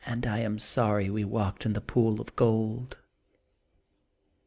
1 am sorry we walked in the pool of gold.